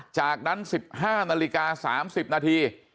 จากนั้น๑๕นาฬิกา๓๐นาที